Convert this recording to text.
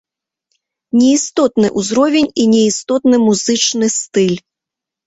Не істотны ўзровень і не істотны музычны стыль.